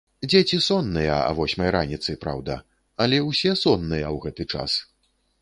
Дзеці сонныя а восьмай раніцы, праўда, але ўсе сонныя ў гэты час.